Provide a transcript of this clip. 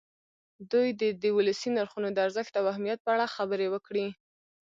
دوی دې د ولسي نرخونو د ارزښت او اهمیت په اړه خبرې وکړي.